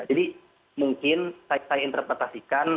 jadi mungkin saya interpretasikan